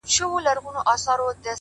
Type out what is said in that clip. نیک چلند د درناوي تخم شیندي,